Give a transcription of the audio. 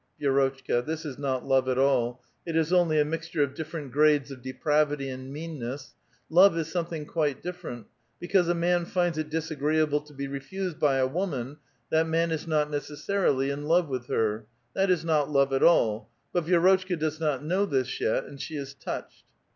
(Vi^rotchka, this is not love at all ; it is onl}' a mixture of different grades of depravity and meanness : love is something quite different ; because a man .# finds it disagreeable to be refused by a wom^n, that man is \^L not necessarily in love with her ; that is not love at all ; but !' Vi^rotchka does not know this yet and she is touched.)